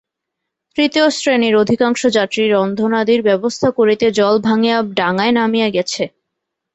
তৃতীয় শ্রেণীর অধিকাংশ যাত্রী রন্ধনাদির ব্যবস্থা করিতে জল ভাঙিয়া ডাঙায় নামিয়া গেছে।